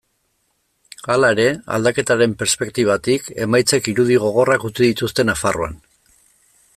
Hala ere, aldaketaren perspektibatik, emaitzek irudi gogorrak utzi dituzte Nafarroan.